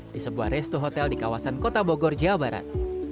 di sebuah resto hotel di kawasan kota bogor jawa barat